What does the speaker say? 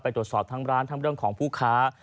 ตรวจสอบทั้งร้านทั้งเรื่องของผู้ค้า